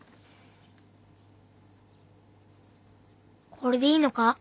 これでいいのか？